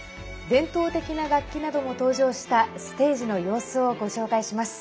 伝統的な楽器なども登場したステージの様子をご紹介します。